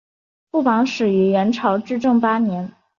副榜始于元朝至正八年。